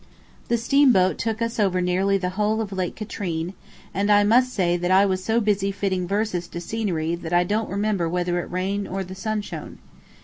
The steamboat took us over nearly the whole of Lake Katrine, and I must say that I was so busy fitting verses to scenery that I don't remember whether it rained or the sun shone.